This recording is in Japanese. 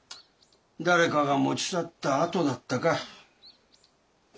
誰かが持ち去ったあとだったか。